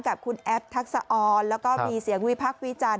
กับคุณแอปทักษะออนแล้วก็มีเสียงวิพักษ์วิจารณ